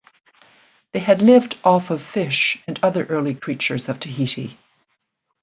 They had lived off of fish and other early creatures of Tahiti.